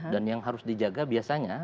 dan yang harus dijaga biasanya